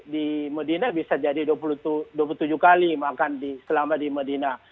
di medina bisa jadi dua puluh tujuh kali makan selama di medina